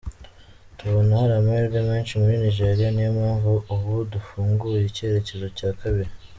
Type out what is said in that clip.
Tubona hari amahirwe menshi muri Nigeria, niyo mpamvu ubu dufunguyeyo icyerekezo cya kabiri.